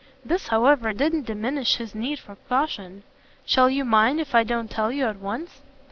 This however didn't diminish his need of caution. "Shall you mind if I don't tell you at once?"